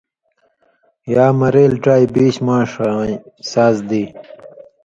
چے یا مرېل ڇا یی بیش ماݜہ وَیں ساز دی